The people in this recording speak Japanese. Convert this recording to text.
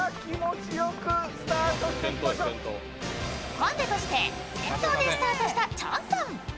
ハンデとして先頭でスタートしたチャンさん。